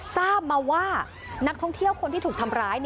ทราบมาว่านักท่องเที่ยวคนที่ถูกทำร้าย